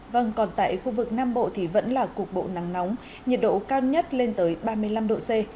vâng còn tại khu vực nam bộ thì vẫn là cục bộ nắng nóng nhiệt độ cao nhất lên tới ba mươi năm độ c